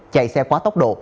chạy xe quá tốc độ